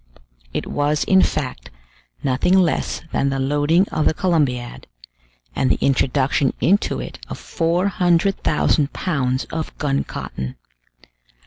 It was, in fact, nothing less than the loading of the Columbiad, and the introduction into it of 400,000 pounds of gun cotton.